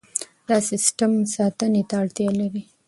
دا سیستم ساتنې ته اړتیا لري.